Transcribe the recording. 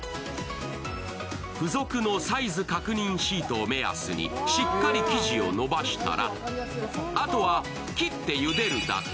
付属のサイズ確認シートを目安にしっかり生地をのばしたらあとは切ってゆでるだけ。